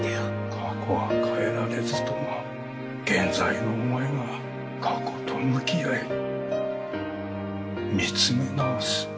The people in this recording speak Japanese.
過去は変えられずとも現在のお前が過去と向き合い見つめ直す。